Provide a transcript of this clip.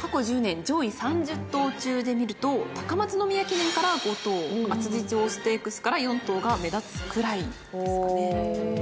過去１０年上位３０頭中で見ると高松宮記念からは５頭安土城ステークスから４頭が目立つくらいですかね。